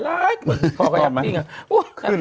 แม่ฉันโทรไปหาผู้ชายแม่ฉันโทรไปหาผู้ชาย